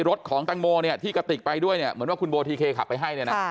รถของตังโมที่กระติกไปด้วยเหมือนว่าคุณโบทีเคขับไปให้